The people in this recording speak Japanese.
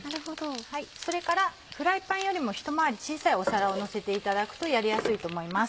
それからフライパンよりもひと回り小さい皿をのせていただくとやりやすいと思います。